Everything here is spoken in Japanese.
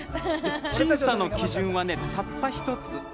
審査の基準はたった１つ。